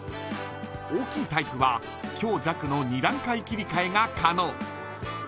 大きいタイプは強弱の２段階切り替えが可能。